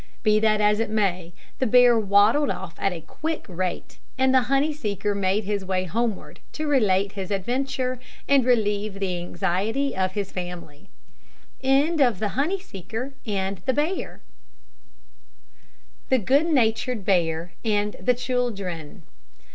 Be that as it may, the bear waddled off at a quick rate, and the honey seeker made his way homeward, to relate his adventure, and relieve the anxiety of his family. THE GOOD NATURED BEAR AND THE CHILDREN.